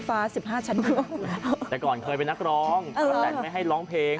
ประตานเคยเป็นนักร้องประตานไม่ให้ร้องเพลง